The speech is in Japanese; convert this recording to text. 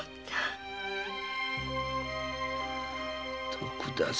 徳田様